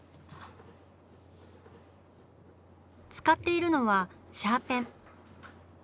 使っているのはシャーペン。